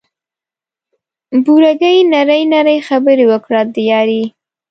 بوره ګي نري نري خبري وکړه د یاري